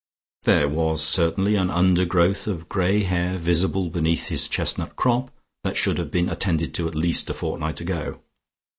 There was certainly an undergrowth of grey hair visible beneath his chestnut crop, that should have been attended to at least a fortnight ago.